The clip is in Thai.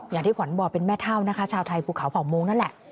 อย่างที่ขวัญบอกเป็นแม่เท่านะคะชาวไทยภูเขาเผ่าโม้งนั่นแหละ